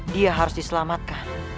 dia harus diselamatkan